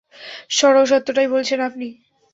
সরল সত্যটাই বলেছেন আপনি।